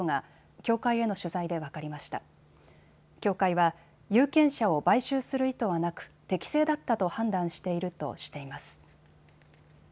協会は有権者を買収する意図はなく、適正だったと判断しているとしています。